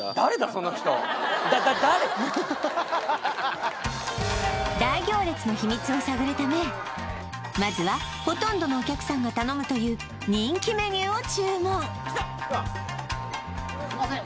その人大行列の秘密を探るためまずはほとんどのお客さんが頼むというすいません